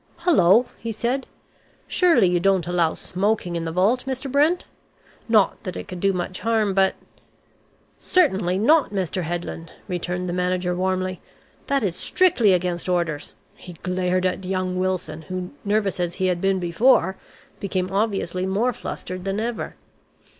"Hullo!" he said. "Surely you don't allow smoking in the vault, Mr. Brent? Not that it could do much harm but " "Certainly not, Mr. Headland," returned the manager warmly. "That is strictly against orders." He glared at young Wilson, who, nervous as he had been before, became obviously more flustered than ever.